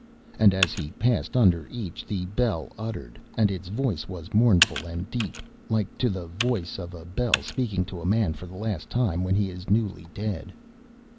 And as he passed under each the bell uttered, and its voice was mournful and deep, like to the voice of a bell speaking to a man for the last time when he is newly dead.